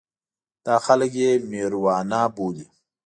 دا خلک یې مېروانا بولي.